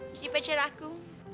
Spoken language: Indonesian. jadi pacar aku